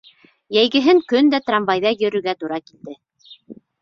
Йәйгеһен көн дә трамвайҙа йөрөргә тура килде.